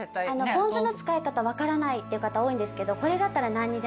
ぽん酢の使い方分からないっていう方多いんですけどこれだったら何にでも。